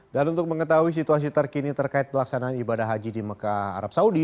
dan untuk mengetahui situasi terkini terkait pelaksanaan ibadah haji di mekah arab saudi